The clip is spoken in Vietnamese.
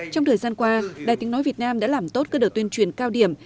trong thời gian qua đài tiếng nói việt nam đã làm tốt cơ đở tuyên truyền cao điểm